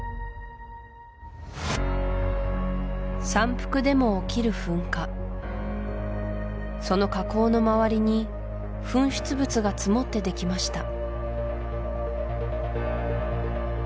山腹でも起きる噴火その火口の周りに噴出物が積もってできました